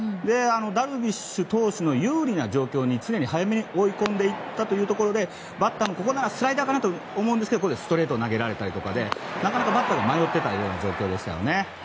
ダルビッシュ投手の有利な状況に常に早めに追い込んでいったというところでバッターもここならスライダーかなと思ったらストレートを投げられたりなかなかバットが迷っていたような状況でしたね。